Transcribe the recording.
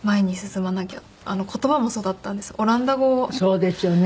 そうですよね。